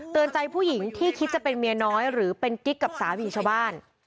ใจผู้หญิงที่คิดจะเป็นเมียน้อยหรือเป็นกิ๊กกับสามีชาวบ้าน